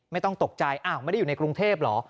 ไม่ต้องตกใจอ้าวไม่ได้อยู่ในกรุงเทพเหรอ